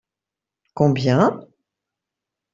Combien ?